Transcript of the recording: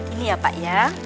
ini ya pak ya